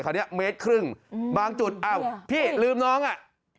คราวนี้เมตรครึ่งบางจุดอ้าวพี่ลืมน้องอ่ะ